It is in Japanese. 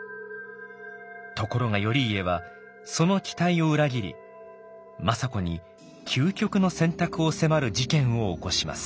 ところが頼家はその期待を裏切り政子に究極の選択を迫る事件を起こします。